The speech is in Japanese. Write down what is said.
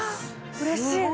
うれしいね。